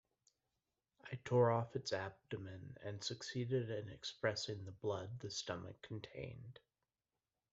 I tore off its abdomen and succeeded in expressing the blood the stomach contained.